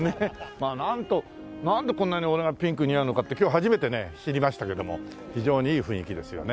まあなんとなんでこんなに俺がピンク似合うのかって今日初めてね知りましたけども非常にいい雰囲気ですよね。